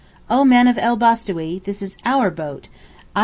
'Oh men of el Bostawee, this is our boat (_i.